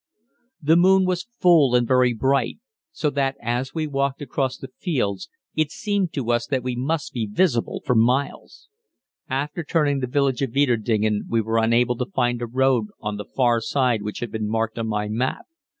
The moon was full and very bright, so that, as we walked across the fields it seemed to us that we must be visible for miles. After turning the village of Weiterdingen we were unable to find a road on the far side which had been marked on my map.